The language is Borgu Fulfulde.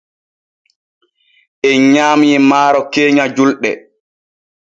En nyaamii maaro keenya julɗe.